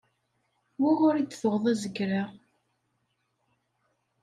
Wuɣur i d-tuɣeḍ azger-a?